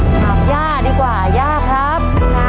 ถามย่าดีกว่าย่าครับ